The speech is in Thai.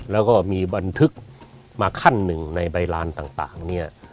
แล้วก็มีบันทึกมาขั้นหนึ่งในใบลานต่างเนี่ย